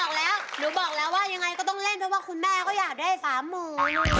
ก็หนูบอกแล้วว่ายังไงก็ต้องเล่นเพราะว่าคุณแม่ก็อยากได้๓หมู